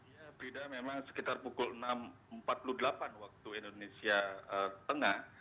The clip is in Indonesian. ya prida memang sekitar pukul enam empat puluh delapan waktu indonesia tengah